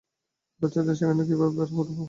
বাচ্চাদের সেখান থেকে কীভাবে বের করবো বলে ভেবেছো?